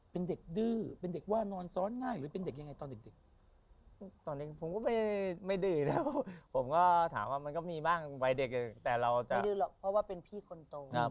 เป็นเด็กดื้อเป็นเด็กว่านอนซ้อนง่ายหรือเป็นเด็กยังไงตอนเด็ก